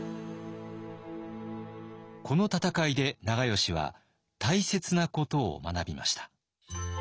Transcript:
この戦いで長慶は大切なことを学びました。